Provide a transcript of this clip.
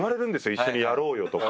「一緒にやろうよ」とか。